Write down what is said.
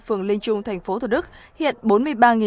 phường linh trung tp thổ đức hiện